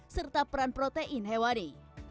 serta peran protein hewani